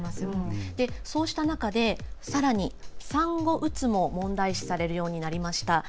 そうした中で産後うつも問題視されるようになりました。